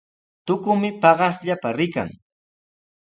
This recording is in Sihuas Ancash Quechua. Tukumi paqaspalla rikan.